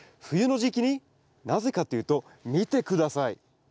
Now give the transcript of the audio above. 冬の時期になぜかというと見て下さい。